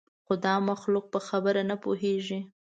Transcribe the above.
خو دا مخلوق په خبره نه پوهېږي.